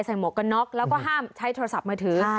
หมวกกันน็อกแล้วก็ห้ามใช้โทรศัพท์มือถือ